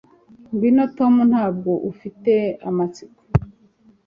Ngwino Tom ntabwo ufite amatsiko